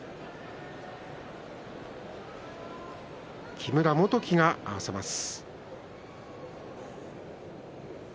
木村元基が合わせます。